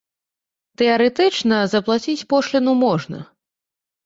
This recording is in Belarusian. Тэарэтычна заплаціць пошліну можна.